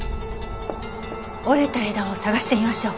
折れた枝を探してみましょう。